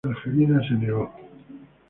Angelina se negó.